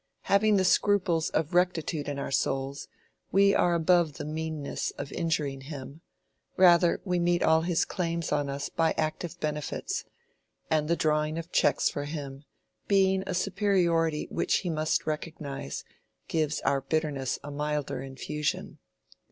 Having the scruples of rectitude in our souls, we are above the meanness of injuring him—rather we meet all his claims on us by active benefits; and the drawing of cheques for him, being a superiority which he must recognize, gives our bitterness a milder infusion.